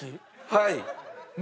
はい。